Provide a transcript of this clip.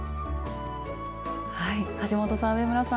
橋本さん上村さん